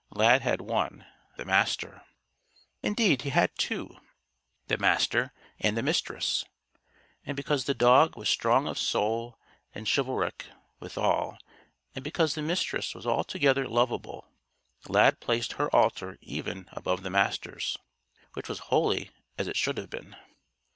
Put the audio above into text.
Lad had one: the Master. Indeed, he had two: the Master and the Mistress. And because the dog was strong of soul and chivalric, withal, and because the Mistress was altogether lovable, Lad placed her altar even above the Master's. Which was wholly as it should have been.